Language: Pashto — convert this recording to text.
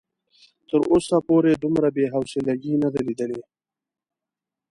تر اوسه پورې دومره بې حوصلګي نه ده ليدلې.